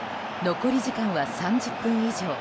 残り時間は３０分以上。